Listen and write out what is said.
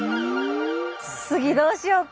次どうしようか。